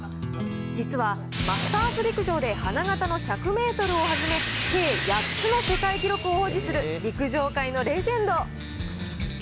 実はマスターズ陸上で花形の１００メートルをはじめ、計８つの世界記録を保持する陸上界のレジェンド。